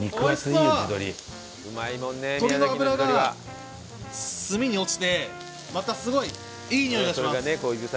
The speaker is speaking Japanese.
鶏の脂が炭に落ちてまたすごいいいにおいがします。